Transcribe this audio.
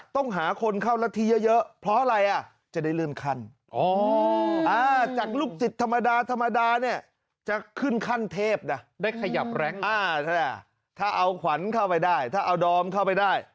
ธรรมดาจะขึ้นขั้นเทพได้ขยับแรงถ้าเอาขวัญเข้าไปได้ถ้าเอาดอมเข้าไปได้